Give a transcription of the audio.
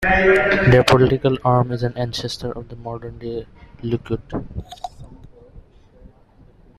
Their political arm is an ancestor of the modern-day Likud.